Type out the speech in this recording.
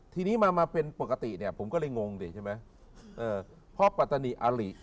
ทีนี้มาเป็นปกติเนี่ยผมก็เลยงงดิใช่ไหมพอปัตตนิอารี